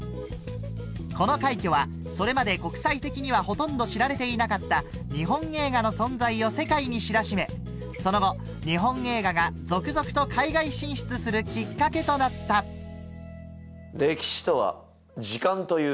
この快挙はそれまで国際的にはほとんど知られていなかった日本映画の存在を世界に知らしめその後日本映画が続々と海外進出するきっかけとなったはぁ。